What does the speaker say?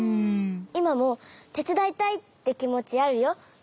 いまもてつだいたいってきもちあるよ。